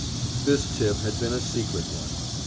This tip had been a secret one.